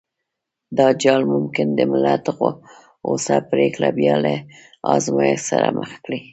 دا جال ممکن د ملت غوڅه پرېکړه بيا له ازمایښت سره مخ کړي.